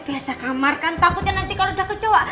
biasa kamar kan takutnya nanti kalau udah kecoa